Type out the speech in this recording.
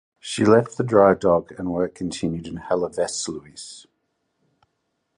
She left the dry dock and work continued in Hellevoetsluis.